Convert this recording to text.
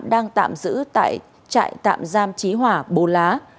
đang tạm giữ tại trại tạm giam trí hỏa bồ lá